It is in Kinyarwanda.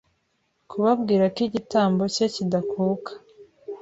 kubabwira ko igitambo cye kidakuka